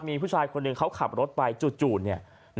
มีผู้ชายคนหนึ่งเขาขับรถไปจู่เนี่ย